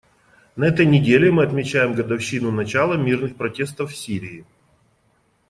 На этой неделе мы отмечаем годовщину начала мирных протестов в Сирии.